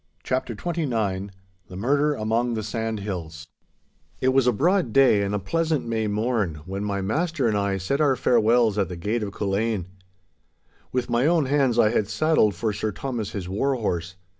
*CHAPTER XXIX* *THE MURDER AMONG THE SANDHILLS* It was broad day and a pleasant May morn, when my master and I said our farewells at the gate of Culzean. With my own hands I had saddled for Sir Thomas his warhorse.